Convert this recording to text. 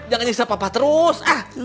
jangan nyesel papa terus